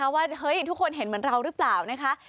ว่าทุกคนเห็นเหมือนเรารึเปล่านะคะ